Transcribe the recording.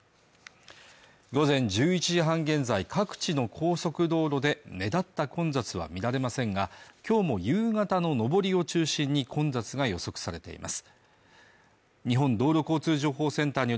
午前１１時半現在各地の高速道路で目立った混雑は見られませんが今日も夕方の上りを中心に混雑が予測されています